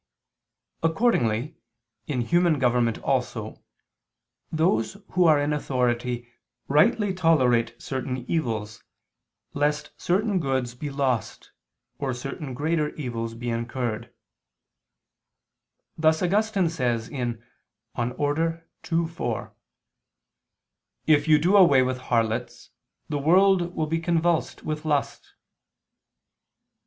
Accordingly in human government also, those who are in authority, rightly tolerate certain evils, lest certain goods be lost, or certain greater evils be incurred: thus Augustine says (De Ordine ii, 4): "If you do away with harlots, the world will be convulsed with lust."